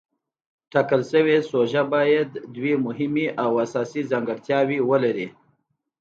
ټاکل شوې سوژه باید دوه مهمې او اساسي ځانګړتیاوې ولري.